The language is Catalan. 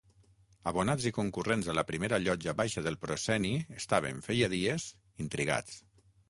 Abonats i concurrents a la primera llotja baixa del prosceni estaven, feia dies, intrigats.